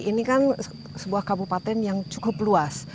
ini kan sebuah kabupaten yang cukup luas